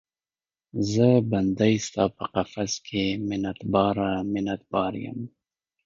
زه بندۍ ستا په قفس کې، منت باره، منت بار یم